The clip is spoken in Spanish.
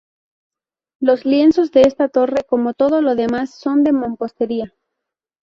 Los lienzos de esta torre, como todo lo demás, son de mampostería.